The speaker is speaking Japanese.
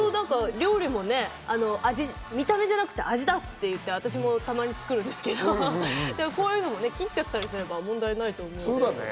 料理も見た目じゃなくて味だっていって、私もたまに作るんですけど、こういうのも切っちゃったりすれば問題ないと思うので。